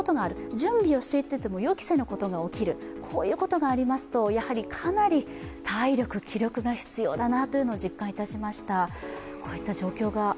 準備をしていても予期せぬことが起きる、こういうことがありますと、やはりかなり体力、気力が必要だなと実感いたしました。